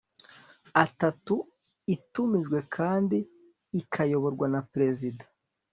atatu itumijwe kandi ikayoborwa na perezida